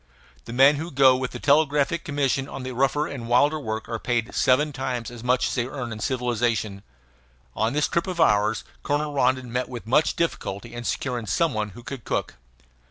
The men who go with the Telegraphic Commission on the rougher and wilder work are paid seven times as much as they earn in civilization. On this trip of ours Colonel Rondon met with much difficulty in securing some one who could cook.